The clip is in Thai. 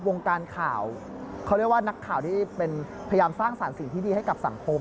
วงการข่าวเขาเรียกว่านักข่าวที่เป็นพยายามสร้างสารสิ่งที่ดีให้กับสังคม